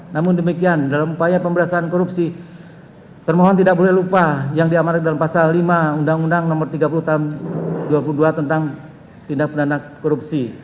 namun demikian dalam upaya pemberantasan korupsi termohon tidak boleh lupa yang diamanat dalam pasal lima undang undang nomor tiga puluh tahun dua ribu dua puluh dua tentang tindak pidana korupsi